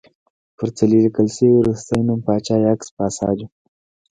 پر څلي لیکل شوی وروستی نوم پاچا یاکس پاساج و